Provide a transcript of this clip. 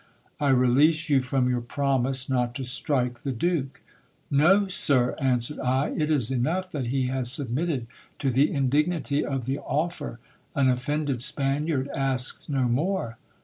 I release you from your promise not to strike the Duke. No, sir, answered I, it is enough that he has submitted to the indignity of the offer : an offended Spaniard asks no more.